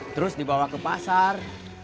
terus dibawa ke pasar